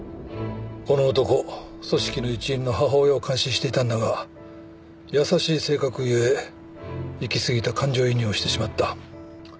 この男組織の一員の母親を監視していたんだが優しい性格ゆえいきすぎた感情移入をしてしまった。